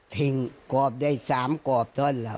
ทิงกอบได้สามกอบท่อนหลัง